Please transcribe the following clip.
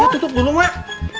iya tutup dulu mak